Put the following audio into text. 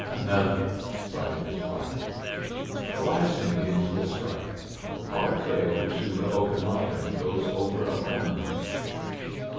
"Another!" sighed his wife. "The last Indians we'll strike. Our trail to the Okanagon goes over a corner of it."